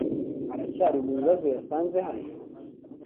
Aracyari mu bibazo yasanze hano?